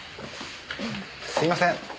すいません。